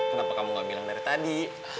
kenapa kamu gak bilang dari tadi